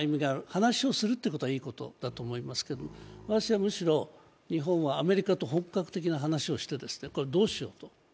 話しをするということはいいことだと思いますけれども、私はむしろ日本はアメリカと本格的な話をして、これ、どうしようと。